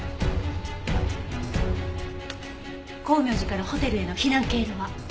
光明寺からホテルへの避難経路は？